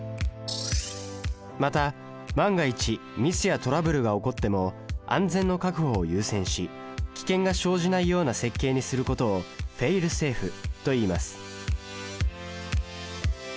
また万が一ミスやトラブルが起こっても安全の確保を優先し危険が生じないような設計にすることをフェイルセーフといいます